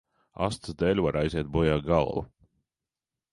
Astes dēļ var aiziet bojā galva.